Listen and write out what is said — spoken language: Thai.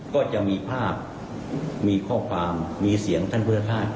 ก็จะมีภาพมีข้อความมีเสียงท่านเพื่อคาด